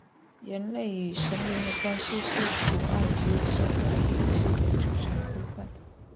人类与神灵的关系是古埃及社会的一个基本组成部分。